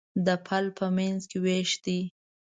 د پل منځ یې وېش دی.